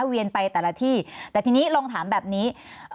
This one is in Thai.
เวียนไปแต่ละที่แต่ทีนี้ลองถามแบบนี้